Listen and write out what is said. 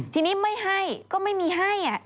ทีนี้ไม่ให้ก็ไม่มีให้